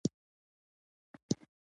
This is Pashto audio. یو شمېر نور هېوادونه له سختې بېوزلۍ کړېدل.